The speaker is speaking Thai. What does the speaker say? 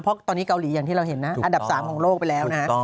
เพราะตอนนี้เกาหลีอย่างที่เราเห็นนะอันดับ๓ของโลกไปแล้วนะฮะ